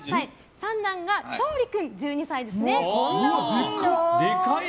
三男が昇利君、１２歳ですね。